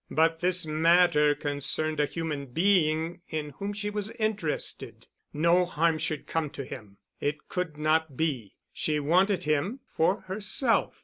But this matter concerned a human being in whom she was interested. No harm should come to him. It could not be. She wanted him for herself.